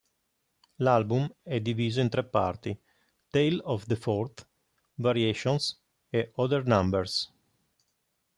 L'album è diviso in tre parti: "Tale of the Fourth", "Variations" e "Other Numbers".